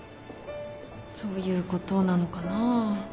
そういうことなのかな。